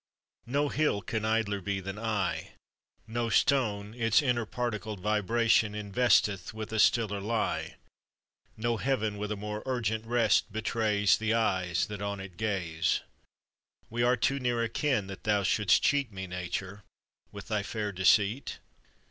No hill can idler be than I; No stone its inter particled vibration Investeth with a stiller lie; No heaven with a more urgent rest betrays The eyes that on it gaze. We are too near akin that thou shouldst cheat Me, Nature, with thy fair deceit.